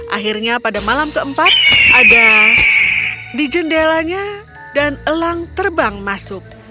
akhirnya pada malam keempat ada di jendelanya dan elang terbang masuk